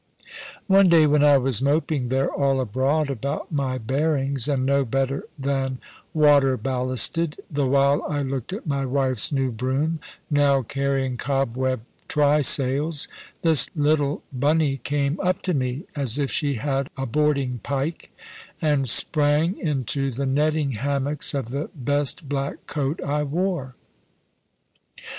One day, when I was moping there, all abroad about my bearings, and no better than water ballasted, the while I looked at my wife's new broom, now carrying cobweb try sails, this little Bunny came up to me as if she had a boarding pike, and sprang into the netting hammocks of the best black coat I wore.